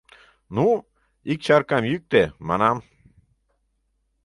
Ну, ик чаркам йӱктӧ, манам!..